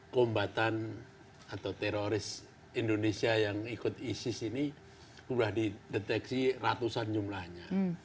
kombatan atau teroris indonesia yang ikut isis ini sudah dideteksi ratusan jumlahnya